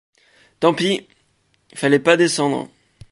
Tant pis ! fallait pas descendre !…